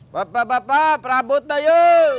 bapak bapak prabut ayo